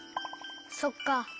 そっか。